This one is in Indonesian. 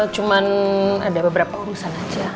cuma ada beberapa urusan aja